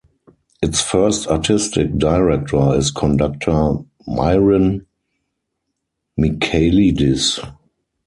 Its first Artistic Director is conductor Myron Michailidis.